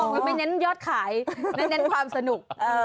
ยังไม่เน้นยอดขายเน้นความสนุก